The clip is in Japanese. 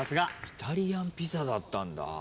イタリアンピザだったんだ。